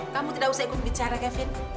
kamu tidak usah ikut bicara kevin